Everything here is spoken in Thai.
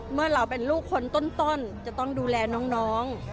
เมื่อเราเป็นลูกคนต้นจะต้องดูแลน้อง